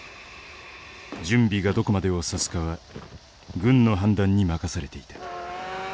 準備がどこまでを指すかは軍の判断に任されていた。